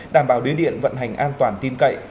đảm bảo lưới điện vận hành an toàn tin cậy